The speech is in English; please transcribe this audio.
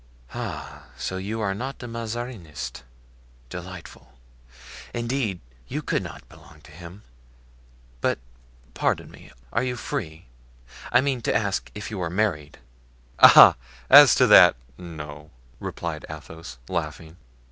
Ah! so you are not a Mazarinist? Delightful! Indeed, you could not belong to him. But pardon me, are you free? I mean to ask if you are married?" "Ah! as to that, no," replied Athos, laughing.